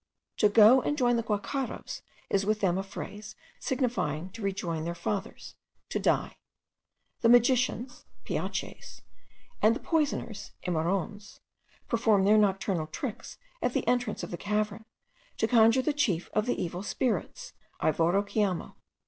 'To go and join the guacharos,' is with them a phrase signifying to rejoin their fathers, to die. The magicians (piaches) and the poisoners (imorons) perform their nocturnal tricks at the entrance of the cavern, to conjure the chief of the evil spirits (ivorokiamo).